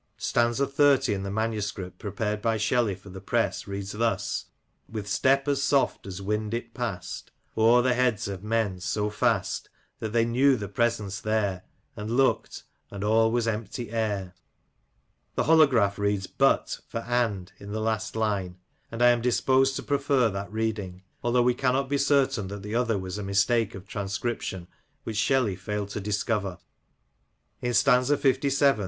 Stanza xxx. in the manuscript prepared by Shelley for the press reads thus :—With step as soft as wind it past * O'er the heads of men — so fast That they knew the presence there And looked, — and all was empty air." The holograph reads but for and in the last line ; and I am disposed to prefer that reading, although we cannot be certain that the other was a mistake of transcription which Shelley failed to discover. In stanza Ivii.